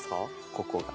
ここが。